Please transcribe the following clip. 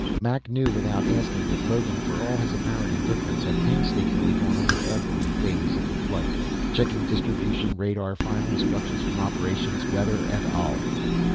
Mac knew without asking that Logan, for all his apparent indifference, had painstakingly gone over every phase of the flight, checking distribution, radar, final instructions from Operations, weather, et al.